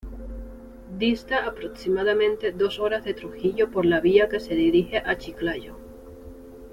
Dista aproximadamente dos horas de Trujillo por la vía que se dirige a Chiclayo.